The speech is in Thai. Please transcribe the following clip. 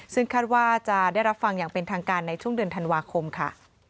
ซึ่งคาดว่าจะได้รับฟังอย่างเป็นทางการในช่วงเดือนธันวาคมค่ะ